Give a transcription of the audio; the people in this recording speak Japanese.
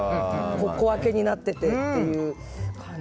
小分けになっててっていう。